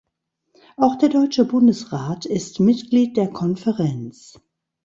Auch der deutsche Bundesrat ist Mitglied der Konferenz.